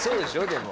でも。